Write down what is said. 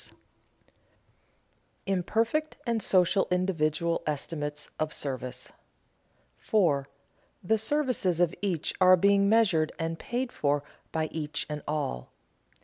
[Sidenote: Imperfect social and individual estimates of service] 4. _The services of each are being measured and paid for by each and all.